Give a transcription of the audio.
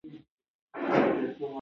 یې اوس هم د غزني د ښار په شاوخوا